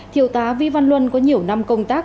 thiếu tá vi văn luân có nhiều năm công tác